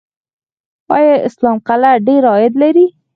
آیا اسلام قلعه ډیر عاید لري؟